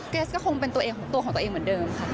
เกสก็คงเป็นตัวเองของตัวของตัวเองเหมือนเดิมค่ะ